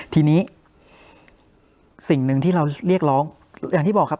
ทีนี้สิ่งหนึ่งที่เราเรียกร้องอย่างที่บอกครับ